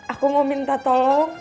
aku mau minta tolong